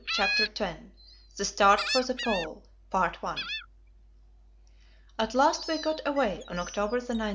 CHAPTER X The Start for the Pole At last we got away, on October 19.